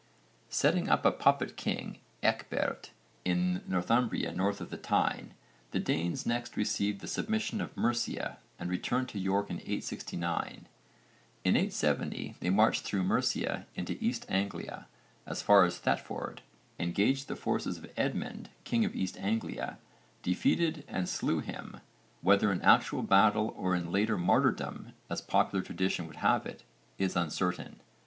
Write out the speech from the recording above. Setting up a puppet king Ecgberht in Northumbria north of the Tyne, the Danes next received the submission of Mercia and returned to York in 869. In 870 they marched through Mercia into East Anglia, as far as Thetford, engaged the forces of Edmund, king of East Anglia, defeated and slew him, whether in actual battle or in later martyrdom, as popular tradition would have it, is uncertain.